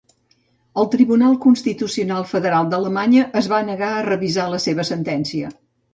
El Tribunal Constitucional Federal d'Alemanya es va negar a revisar la seva sentència.